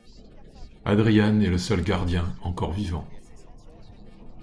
Adrian est le seul Gardien encore vivant.